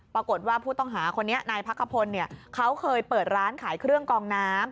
ปรากฏว่าผู้ต้องหาคนนี้นายพักขพลเขาเคยเปิดร้านขายเครื่องกองน้ำ